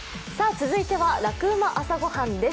続いては「ラクうま！朝ごはん」です。